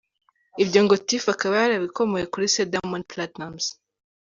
Ibi ngo Tiffa akaba yarabikomoye kuri se Diamond Platnumz.